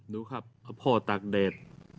ดูครับพ่อตากแดด